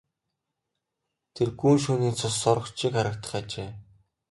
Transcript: Тэр гүн шөнийн цус сорогч шиг харагдах ажээ.